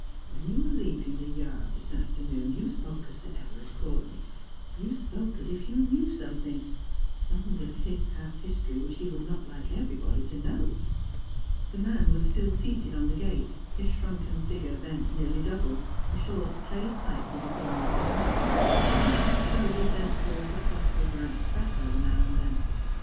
When you were leaving the yard this afternoon you spoke of Sir Everard Courtenay — you spoke as if you knew something — something of his past history which he would not like everybody to know.' The man was still seated on the gate, his shrunken figure bent nearly double, a short clay pipe in the corner of his mouth, from which he slowly sent forth a puff of rank tobacco now and then. Mrs.